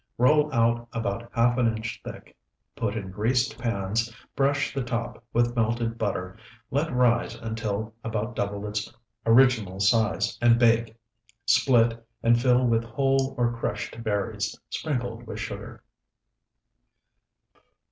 Roll out about half an inch thick. Put in greased pans, brush the top with melted butter, let rise until about double its original size, and bake. Split, and fill with whole or crushed berries, sprinkled with sugar.